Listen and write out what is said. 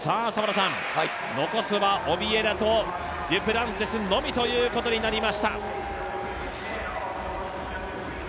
残すはオビエナとデュプランティスのみということになりました。